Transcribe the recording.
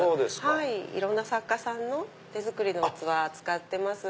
いろんな作家さんの手作りの器扱ってます。